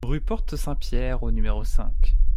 Rue Porte Saint-Pierre au numéro cinq